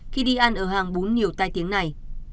khi đi ăn ở hàng bốn nhiều tai tiếng này